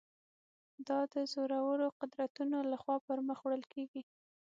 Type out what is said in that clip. دا د زورورو قدرتونو له خوا پر مخ وړل کېږي.